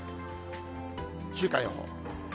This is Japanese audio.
週間予報。